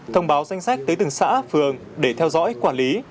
thông báo danh sách tới từng xã phường để theo dõi quản lý